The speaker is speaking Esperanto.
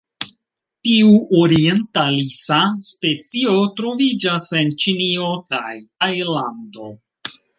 Tiu orientalisa specio troviĝas en Ĉinio kaj Tajlando.